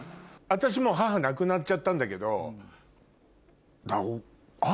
私もう母亡くなっちゃったんだけど。